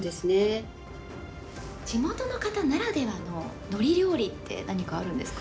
地元の方ならではの海苔料理って何かあるんですか？